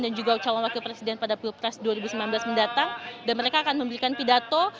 dan juga calon wakil presiden pada pilpres dua ribu sembilan belas mendatang dan mereka akan memberikan pidato